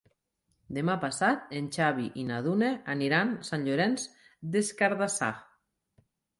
Demà passat en Xavi i na Duna aniran a Sant Llorenç des Cardassar.